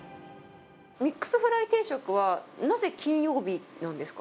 ミックスフライ定食は、なぜ金曜日なんですか？